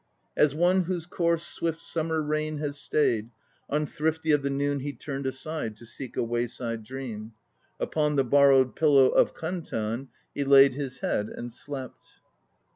As one whose course swift summer rain has stayed, Unthrifty of the noon he turned aside To seek a wayside dream; Upon the borrowed Pillow of Kantan He laid his head and slept.